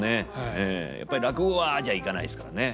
やっぱり落語はああじゃいかないですからね。